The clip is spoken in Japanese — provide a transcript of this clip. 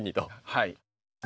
はい。